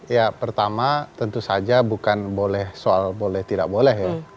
ya pertama tentu saja bukan boleh soal boleh tidak boleh ya